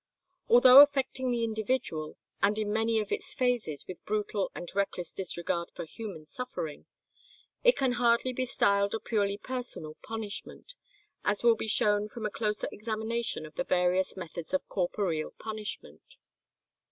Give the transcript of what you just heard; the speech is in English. Although affecting the individual, and in many of its phases with brutal and reckless disregard for human suffering, it can hardly be styled a purely personal punishment, as will be shown from a closer examination of the various methods of corporeal punishment.